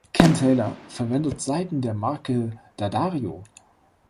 Ken Taylor verwendet Saiten der Marke D’Addario.